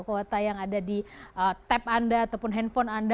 kuota yang ada di tap anda ataupun handphone anda